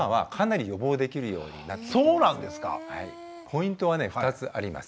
ポイントはね２つあります。